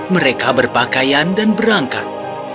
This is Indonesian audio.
mereka berpakaian dan berangkat